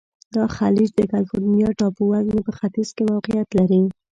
دا خلیج د کلفورنیا ټاپو وزمي په ختیځ کې موقعیت لري.